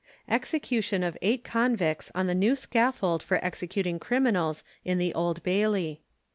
EXECUTION OF EIGHT CONVICTS ON THE NEW SCAFFOLD FOR EXECUTING CRIMINALS IN THE OLD BAILEY.